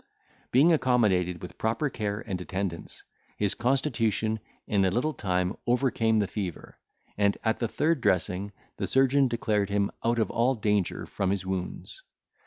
Being accommodated with proper care and attendance, his constitution in a little time overcame the fever; and, at the third dressing, the surgeon declared him out of all danger from his wounds.